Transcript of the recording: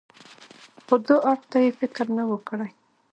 خو دو اړخ ته يې فکر نه و کړى.